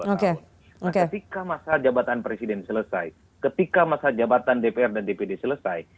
nah ketika masa jabatan presiden selesai ketika masa jabatan dpr dan dpd selesai